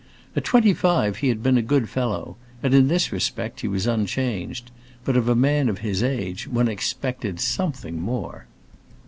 At twenty five he had been a good fellow, and in this respect he was unchanged; but of a man of his age one expected something more.